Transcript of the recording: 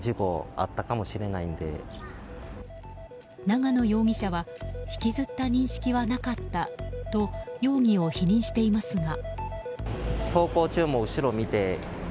永野容疑者は引きずった認識はなかったと容疑を否認していますが。